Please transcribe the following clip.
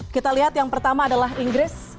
kita lihat yang pertama adalah inggris